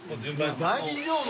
大丈夫？